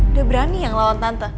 udah berani yang lawan tante